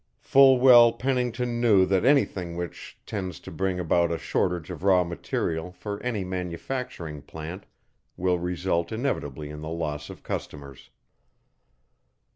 Full well Pennington knew that anything which, tends to bring about a shortage of raw material for any manufacturing plant will result inevitably in the loss of customers.